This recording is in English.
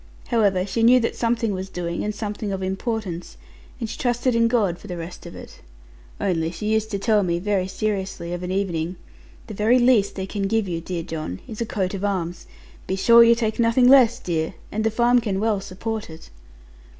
However, she knew that something was doing and something of importance; and she trusted in God for the rest of it. Only she used te tell me, very seriously, of an evening, 'The very least they can give you, dear John, is a coat of arms. Be sure you take nothing less, dear; and the farm can well support it.'